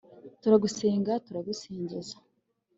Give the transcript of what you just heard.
turagusenga, turagusingiza